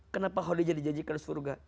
kenapa khadijah dijanjikan surga